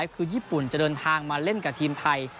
คือญี่ปุ่นจะเดินทางมาเล่นกับทีมไทย